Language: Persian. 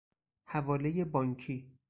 حوالهی بانکی